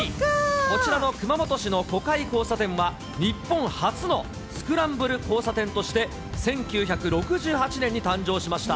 こちらの熊本市の子飼交差点は、日本初のスクランブル交差点として、１９６８年に誕生しました。